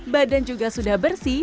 badan juga sudah bersih